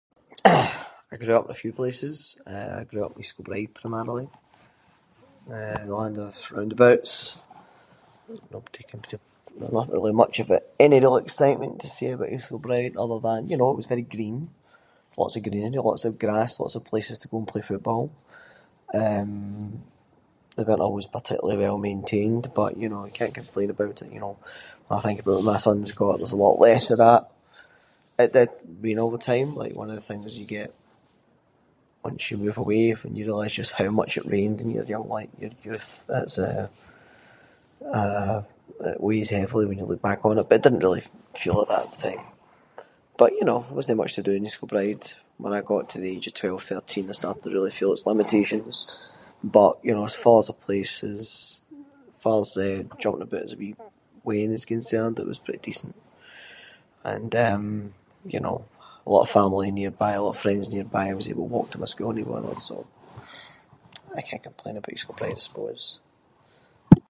Eh I grew up in a few places, eh, I grew up in East Kilbride primarily. Eh the land of roundabouts. Nobody can parti- nothing really much of any excitement to say about East Kilbride other than, you know, it was very green. Lots of greenery, lots of grass, lots of places to go and play football. Eh, they weren’t always particularly well maintained, but you know, you can’t complain about it, you know. I think about my son’s got- there’s a lot less of that- at the- rain all the time. Like one of the things you get once you move away, when you realise just how much it rained when you were young- like your youth, it’s eh, eh- it weighs heavily when you look back on it. But it didn’t really feel like that at the time. But you know, there wasnae much to do in East Kilbride. When I got to the age of twelve, thirteen I started to really feel it’s limitations. But you know, as far as a place is- as far as jumping aboot as a wee wean is concerned, it was pretty decent. And eh, you know, a lot of family nearby, a lot of friends nearby, I was able to walk to my school [inc]. So, I can’t complain about East Kilbride I suppose.